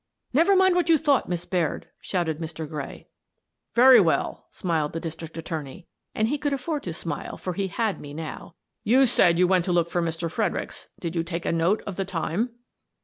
"Never mind what you thought, Miss Baird!" shouted Mr. Gray. " Very well," smiled the district attorney — and he could afford to smile, for he had me now. " You say you went to look for Mr. Fredericks. Did you take a note of the time?